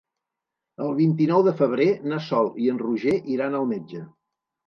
El vint-i-nou de febrer na Sol i en Roger iran al metge.